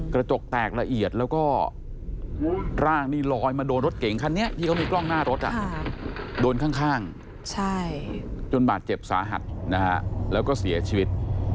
กระจกแตกละเอียดแล้วก็ร่างนี่ลอยมาโดนรถเก่งคันนี้ที่เขามีกล้องหน้ารถโดนข้างจนบาดเจ็บสาหัสนะฮะแล้วก็เสียชีวิต